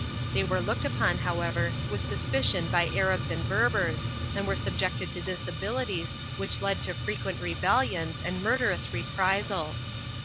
They were looked upon, however, with suspicion by Arabs and Berbers and were subjected to disabilities which led to frequent rebellions and murderous reprisals.